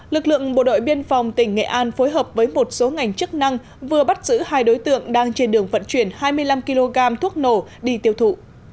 lực lượng bộ đội biên phòng tỉnh nghệ an phối hợp với một số ngành chức năng vừa bắt giữ hai đối tượng đang trên đường vận chuyển hai mươi năm kg thuốc nổ đi tiêu thụ